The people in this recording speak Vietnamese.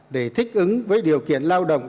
để thích ứng với điều kiện lao động